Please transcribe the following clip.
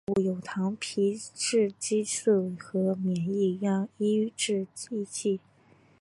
常用的药物有糖皮质激素和免疫抑制剂。